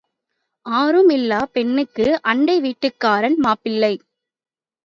ஆரும் இல்லாப் பெண்ணுக்கு அண்டை வீட்டுக்காரன் மாப்பிள்ளை.